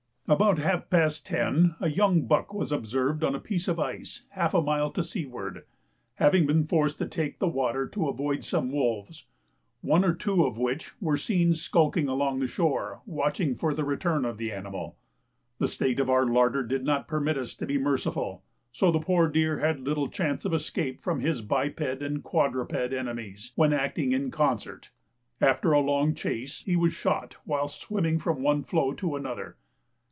About half past ten a young buck was observed on a piece of ice half a mile to seaward, having been forced to take the water to avoid some wolves, one or two of which were seen skulking along shore watching for the return of the animal. The state of our larder did not permit us to be merciful, so the poor deer had little chance of escape from his biped and quadruped enemies when acting in concert. After a long chase he was shot whilst swimming from one floe to another.